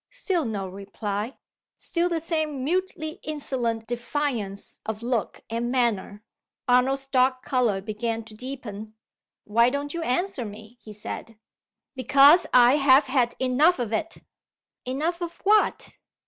Still no reply. Still the same mutely insolent defiance of look and manner. Arnold's dark color began to deepen. "Why don't you answer me?" he said. "Because I have had enough of it." "Enough of what?"